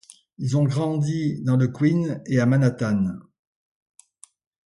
Ils ont grandi dans le Queens et à Manhattan.